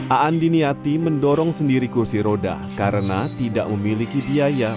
aan diniati mendorong sendiri kursi roda karena tidak memiliki biaya